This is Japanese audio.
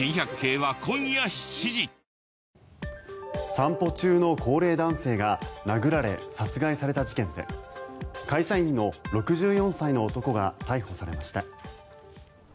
散歩中の高齢男性が殴られ殺害された事件で会社員の６４歳の男が逮捕されました。